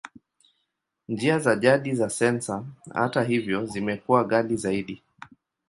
Njia za jadi za sensa, hata hivyo, zimekuwa ghali zaidi.